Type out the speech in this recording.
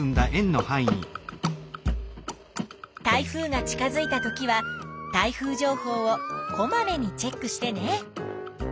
台風が近づいたときは台風情報をこまめにチェックしてね。